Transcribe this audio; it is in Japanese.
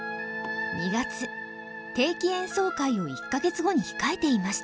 定期演奏会を１か月後に控えていました。